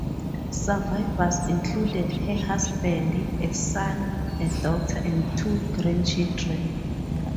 Survivors included her husband, a son, a daughter, and two grandchildren.